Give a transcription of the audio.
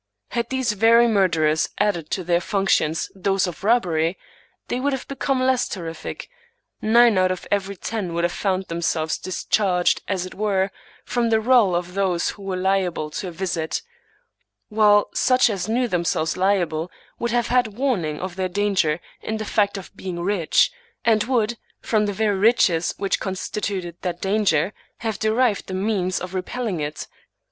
Had these very murderers added to their functions those of robbery, they would have become less terrific ; nine out of every ten would have found themselves discharged, as it were, from the roll of those who were liable to a visit ; while such as knew themselves liable would have had warn ing of their danger in the fact of being rich; and would, from the very riches which constituted that danger, have derived the means of repelling it.